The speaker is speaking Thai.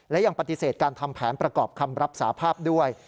และยังปฏิเสธการทำแผนประกอบคำรับสาภาพด้วย